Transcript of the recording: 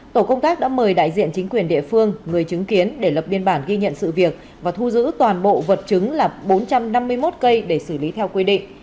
tổ công tác đã mời đại diện chính quyền địa phương người chứng kiến để lập biên bản ghi nhận sự việc và thu giữ toàn bộ vật chứng là bốn trăm năm mươi một cây để xử lý theo quy định